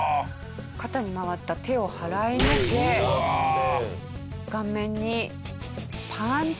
肩に回った手を払いのけ顔面にパンチ。